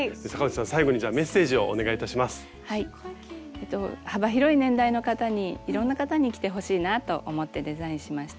えっと幅広い年代の方にいろんな方に着てほしいなと思ってデザインしました。